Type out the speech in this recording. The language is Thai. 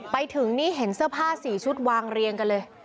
ไปถึงนี่เห็นเสื้อผ้า๔ชุดวางเรียงกันเลย